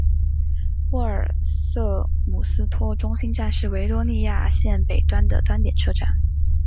沃尔瑟姆斯托中心站是维多利亚线北端的端点车站。